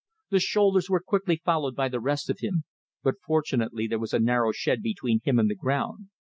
The shoulders were quickly followed by the rest of him; but fortunately there was a narrow shed between him and the ground.